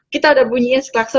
kita udah bunyinya sekelakso